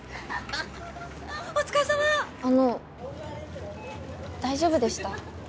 あの大丈夫でした？